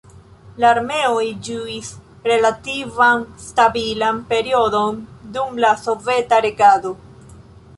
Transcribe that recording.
La armenoj ĝuis relativan stabilan periodon dum la soveta regado.